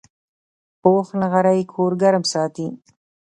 پوخ نغری کور ګرم ساتي